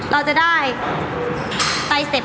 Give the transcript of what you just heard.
เราจะได้ใสเซ็ต